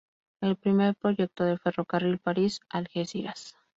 El primer proyecto de ferrocarril París-Algeciras.